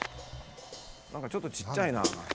何かちょっとちっちゃいな。